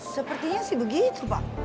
sepertinya sih begitu pak